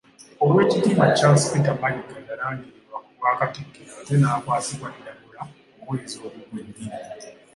Oweekitiibwa Charles Peter Mayiga yalangirirwa ku Bwakatikkiro ate n'akwasibwa Ddamula omwezi ogwo gwennyini.